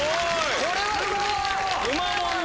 これはすごい！